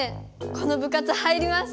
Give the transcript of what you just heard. この部活入ります！